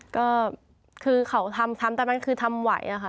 ก็คือเขาทำตอนนั้นคือทำไหวอะค่ะ